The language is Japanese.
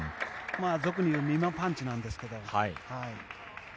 俗にいうみまパンチなんですけど。